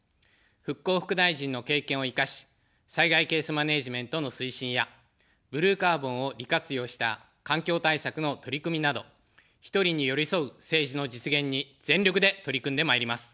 復興副大臣の経験を生かし、災害ケースマネジメントの推進や、ブルーカーボンを利活用した環境対策の取り組みなど、１人に寄り添う政治の実現に全力で取り組んでまいります。